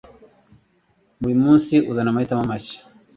Buri munsi uzana amahitamo mashya.”